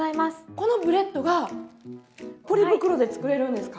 このブレッドがポリ袋で作れるんですか？